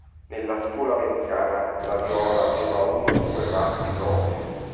Nella scuola veneziana la viola aveva una o due parti proprie.